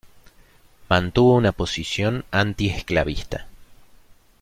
Mantuvo una posición anti-esclavista.